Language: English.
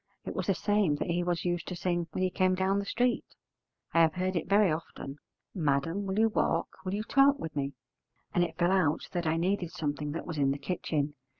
It was the same that he was used to sing when he came down the street; I have heard it very often: 'Madam, will you walk, will you talk with me?' And it fell out that I needed something that was in the kitchen.